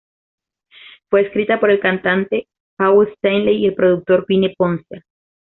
Fue escrita por el cantante Paul Stanley y el productor Vini Poncia.